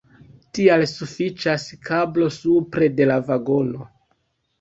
Tial sufiĉas kablo supre de la vagono.